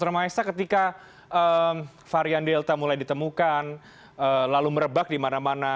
romaesta ketika varian delta mulai ditemukan lalu merebak di mana mana